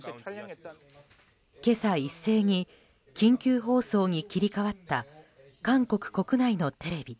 今朝一斉に緊急放送に切り替わった韓国国内のテレビ。